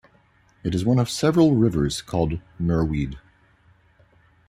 It is one of several rivers called Merwede.